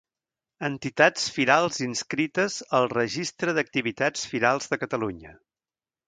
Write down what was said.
Entitats firals inscrites al Registre d'Activitats Firals de Catalunya.